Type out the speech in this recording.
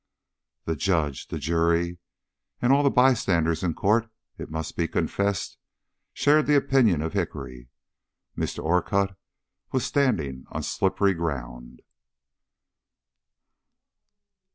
The judge, the jury, and all the by standers in court, it must be confessed, shared the opinion of Hickory Mr. Orcutt was standing on slippery ground.